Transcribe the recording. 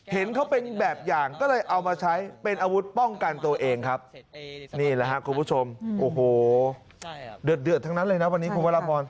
เห็นเขาเป็นแบบอย่างก็เลยเอามาใช้เป็นอาวุธป้องกันตัวเองครับนี่แหละครับคุณผู้ชมโอ้โหเดือดทั้งนั้นเลยนะวันนี้คุณวรพร